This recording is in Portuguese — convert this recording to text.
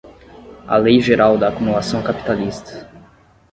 A lei geral da acumulação capitalista